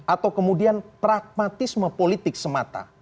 atau kemudian pragmatisme politik semata